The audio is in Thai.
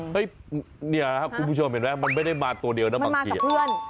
เฮ้ยเนี่ยครับคุณผู้ชมเห็นไหมมันไม่ได้มาตัวเดียวนะบังเกียจ